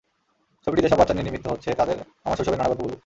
ছবিটি যেসব বাচ্চা নিয়ে নির্মিত হচ্ছে, তাদের আমার শৈশবের নানা গল্প বলব।